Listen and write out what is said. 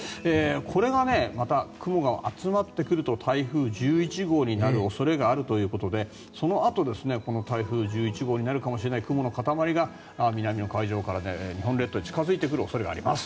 これがまた雲が集まってくると台風１１号になる恐れがあるということでそのあと、この台風１１号になるかもしれない雲の塊が南の海上から日本列島へ近付いてくる恐れがあります。